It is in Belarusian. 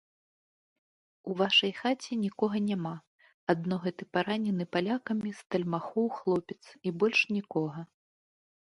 У вашай хаце нікога няма, адно гэты паранены палякамі стальмахоў хлопец і больш нікога.